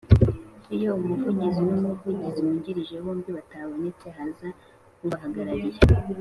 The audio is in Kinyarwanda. Iyo umuvugizi n’umuvugizi wungirije bombi batabonetse haza ubahagarariye